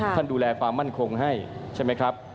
ท่านดูแลความมั่นคงให้ใช่ไหมครับ